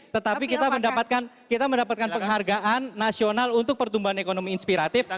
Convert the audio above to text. tetapi kita mendapatkan penghargaan nasional untuk pertumbuhan ekonomi inspiratif